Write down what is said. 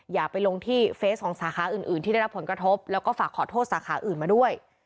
อย่าไปลงที่เฟสของสาขาอื่นที่ได้รับผลกระทบแล้วก็ฝากขอโทษสาขาอื่นมาด้วย